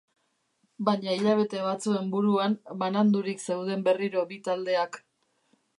Baina hilabete batzuen buruan banandurik zeuden berriro bi taldeak.